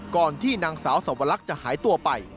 ก่อนที่หนังสาวสวรักษณ์จะหายตัวไป